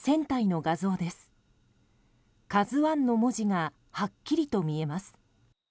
「ＫＡＺＵ１」の文字がはっきりと見えます。